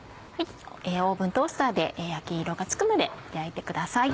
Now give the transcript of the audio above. オーブントースターで焼き色がつくまで焼いてください。